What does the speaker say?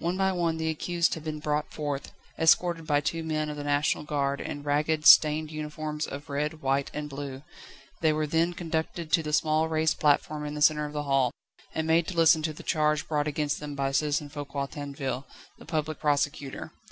One by one the accused had been brought forth, escorted by two men of the National Guard in ragged, stained uniforms of red, white, and blue; they were then conducted to the small raised platform in the centre of the hall, and made to listen to the charge brought against them by Citizen Foucquier Tinville, the Public Presecutor.